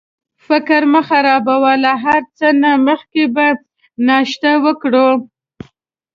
فکر مه خرابوه، له هر څه نه مخکې به ناشته وکړو.